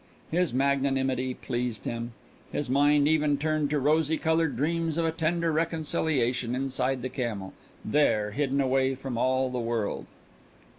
His magnanimity pleased him. His mind even turned to rosy colored dreams of a tender reconciliation inside the camel there hidden away from all the world....